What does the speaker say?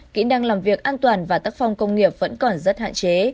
kỹ năng làm việc an toàn và tắc phong công nghiệp vẫn còn rất hạn chế